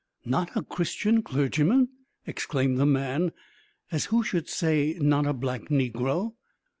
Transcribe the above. "Not a Christian clergyman!" exclaimed the man, as who should say "not a black negro!"